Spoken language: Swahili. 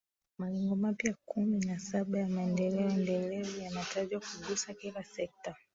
malengo mapya kumi na saba ya Maendeleo Endelevu yanatajwa kugusa kila sekta